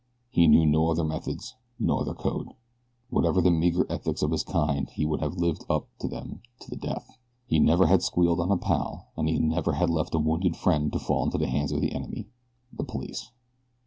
He knew no other methods; no other code. Whatever the meager ethics of his kind he would have lived up to them to the death. He never had squealed on a pal, and he never had left a wounded friend to fall into the hands of the enemy the police.